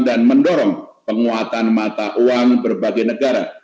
dan mendorong penguatan mata uang berbagai negara